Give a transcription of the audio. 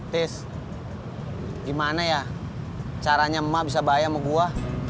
tis gimana ya caranya emak bisa bayang sama gua